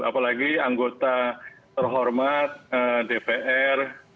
apalagi anggota terhormat dpr